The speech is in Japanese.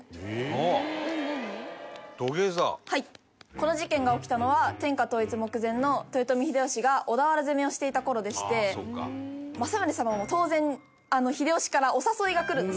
この事件が起きたのは天下統一目前の豊臣秀吉が小田原攻めをしていた頃でして政宗様も当然秀吉からお誘いが来るんですね。